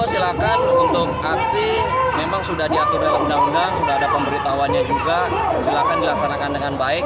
silakan untuk aksi memang sudah diatur dalam undang undang sudah ada pemberitahuannya juga silakan dilaksanakan dengan baik